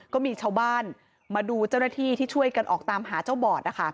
ก็มีชาวบ้านมาดูเจ้าหน้าที่ที่ช่วยกันออกตามหาเจ้าบอดนะคะ